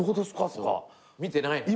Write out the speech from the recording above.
そう見てないの。